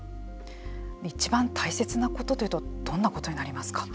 一番大切なことというとどんなことになりますか？